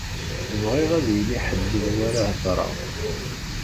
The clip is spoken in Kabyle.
Bɣiɣ ad yili ḥedd d wi ara heḍṛeɣ.